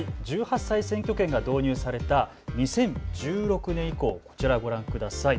１８歳選挙権が導入された２０１６年以降、こちらをご覧ください。